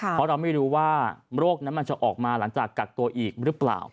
เพราะเราไม่รู้ว่าโรคนั้นมันจะออกมาหลังจากกักตัวอีกหรือเปล่า